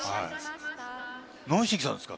何しにきたんですか？